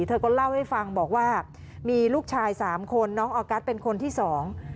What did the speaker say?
เธอก็เล่าให้ฟังบอกว่ามีลูกชายสามคนน้องออกัสเป็นคนที่สอง